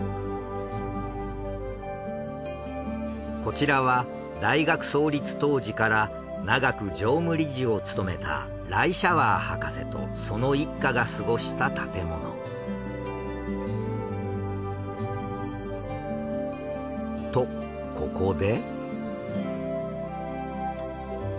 こちらは大学創立当時から長く常務理事を務めたライシャワー博士とその一家が過ごした建物。とここで。